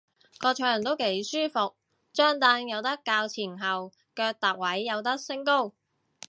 個場都幾舒服，張櫈有得較前後，腳踏位有得升高